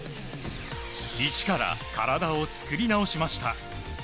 一から体を作り直しました。